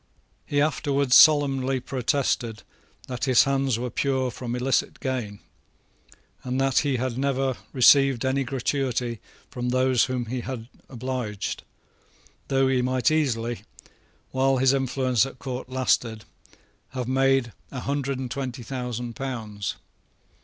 He afterwards solemnly protested that his hands were pure from illicit gain, and that he had never received any gratuity from those whom he had obliged, though he might easily, while his influence at court lasted, have made a hundred and twenty thousand pounds.